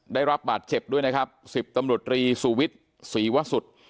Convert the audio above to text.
ได้รับบาดเจ็บด้วยนะครับ๑๐ตำรวจรีสุวิทย์ศรีวสุทธิ์